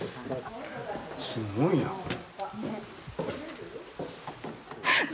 すごいなこれ。